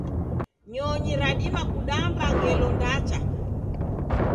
Nyonyi radima kudamba ngelo ndacha